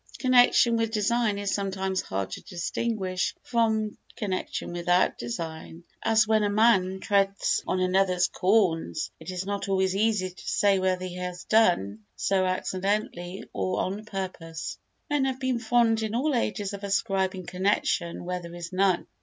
Connection with design is sometimes hard to distinguish from connection without design; as when a man treads on another's corns, it is not always easy to say whether he has done so accidentally or on purpose. Men have been fond in all ages of ascribing connection where there is none.